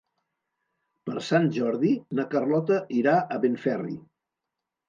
Per Sant Jordi na Carlota irà a Benferri.